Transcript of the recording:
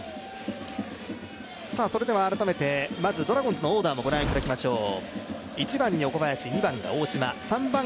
それでは改めてドラゴンズのオーダーもご覧いただきましょう。